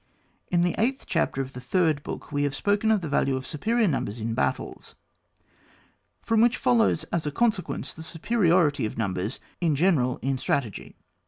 In the eighth chapter of the third book we have spoken of the value of superior numbers in battles, from which follows as a consequence the superiority of num bers in general in strategy.